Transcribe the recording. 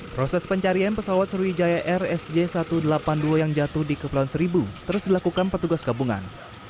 proses pencarian pesawat sriwijaya air sj satu ratus delapan puluh dua yang jatuh di kepulauan seribu terus dilakukan petugas gabungan